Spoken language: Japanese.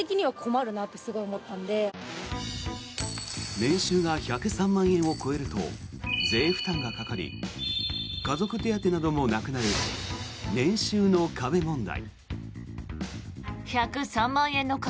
年収が１０３万円を超えると税負担がかかり家族手当などもなくなる年収の壁問題。